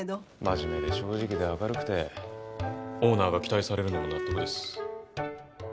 真面目で正直で明るくてオーナーが期待されるのも納得です。